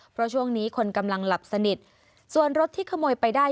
เพราะช่วงนี้คนกำลังหลับสนิทส่วนรถที่ขโมยไปได้